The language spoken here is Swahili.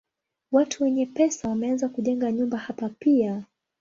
Watu wenye pesa wameanza kujenga nyumba hapa pia.